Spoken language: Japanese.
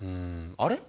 あれ？